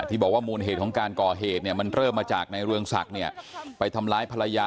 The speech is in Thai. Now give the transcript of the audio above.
ที่บอกว่ามูลเหตุของการก่อเหตุเนี่ยมันเริ่มมาจากในเรืองศักดิ์เนี่ยไปทำร้ายภรรยา